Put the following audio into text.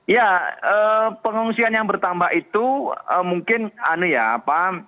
ya eee pengungsian yang bertambah itu mungkin aneh ya